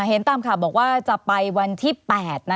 เห็นตามค่ะบอกว่าจะไปวันที่๘นะคะ